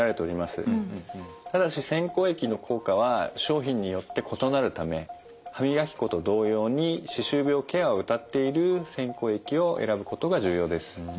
ただし洗口液の効果は商品によって異なるため歯磨き粉と同様に歯周病ケアをうたっている洗口液を選ぶことが重要です。